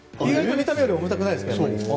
見た目より重たくないですか？